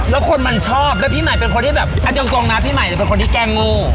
แล้วคนมันชอบแล้วพี่ใหม่เป็นคนที่แบบเอาตรงนะพี่ใหม่จะเป็นคนที่แกล้งโง่